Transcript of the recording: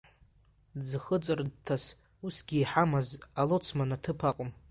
Ӡхыҵырҭас усгьы иҳамаз алоцман ҭыԥ акәын.